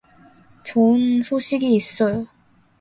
좋은 소식이 있어요.